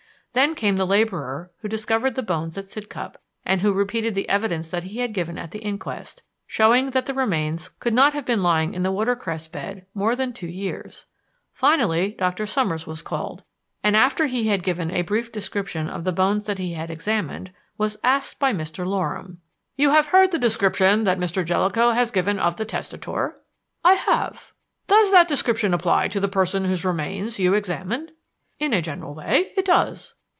Then came the laborer who discovered the bones at Sidcup, and who repeated the evidence that he had given at the inquest, showing that the remains could not have been lying in the watercress bed more than two years. Finally Dr. Summers was called, and, after he had given a brief description of the bones that he had examined, was asked by Mr. Loram: "You have heard the description that Mr. Jellicoe has given of the testator?" "I have." "Does that description apply to the person whose remains you examined." "In a general way it does."